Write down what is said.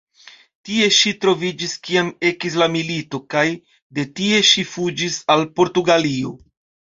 Tie ŝi troviĝis kiam ekis la milito, kaj de tie ŝi fuĝis al Portugalio.